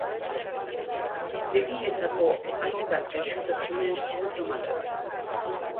Begietako hainbat gaixotasunen sintoma da.